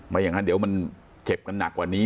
อย่างนั้นเดี๋ยวมันเจ็บกันหนักกว่านี้